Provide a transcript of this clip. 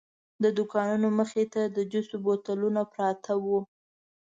د دوکانونو مخې ته د جوسو بوتلونه پراته وو.